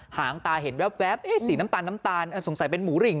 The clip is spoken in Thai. หางตาเห็นแว๊บสีน้ำตาลน้ำตาลสงสัยเป็นหมูหริง